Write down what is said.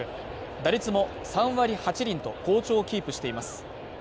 打率も３割８厘と好調をキープしています。